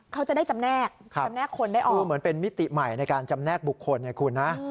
เขาจะได้จำแนกจำแนกคนได้ออกเหมือนเป็นมิติใหม่ในการจำแนกบุคคลไงคุณนะ